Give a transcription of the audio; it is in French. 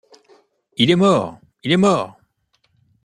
Il est mort! il est mort !